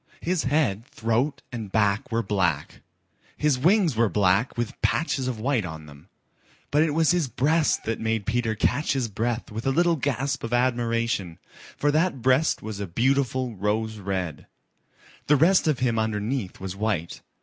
His head, throat and back were black. His wings were black with patches of white on them. But it was his breast that made Peter catch his breath with a little gasp of admiration, for that breast was a beautiful rose red. The rest of him underneath was white.